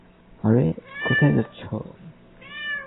আরে, কোথায় যাচ্ছ?